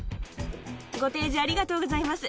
ご提示、ありがとうございます。